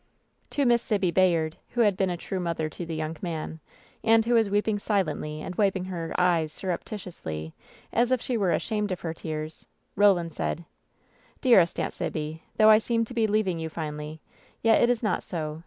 To Miss Sibby Bayard, who had been a. true mother to the young man, and who was weeping silently and wiping her eyes surreptitiously, as if she were ashamed of her tears, Roland said : "Dearest Aunt Sibby, though I seem to be leaving you finally, yet it is not so.